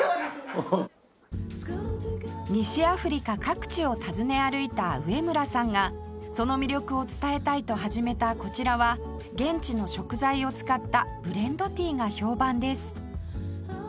西アフリカ各地を訪ね歩いた植村さんがその魅力を伝えたいと始めたこちらは現地の食材を使ったブレンドティーが評判です